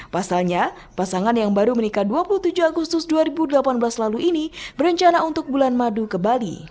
pasalnya pasangan yang baru menikah dua puluh tujuh agustus dua ribu delapan belas lalu ini berencana untuk bulan madu ke bali